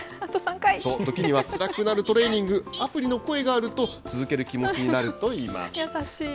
そう、時にはつらくなるトレーニング、アプリの声があると、続ける気持ちになるといいます。